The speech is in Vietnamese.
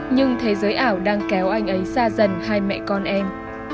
nhưng thế giới ảo đang kéo anh ấy xa dần hai mẹ con em